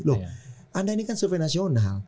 loh anda ini kan survei nasional